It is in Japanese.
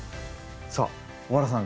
さあ尾原さん